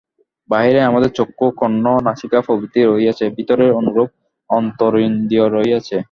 বাহিরে আমাদের চক্ষু, কর্ণ, নাসিকা প্রভৃতি রহিয়াছে, ভিতরে অনুরূপ অন্তরিন্দ্রিয় রহিয়াছে।